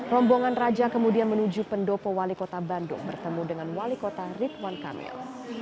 rombongan raja kemudian menuju pendopo wali kota bandung bertemu dengan wali kota ridwan kamil